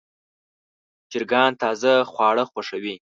چرګان تازه خواړه خوښوي.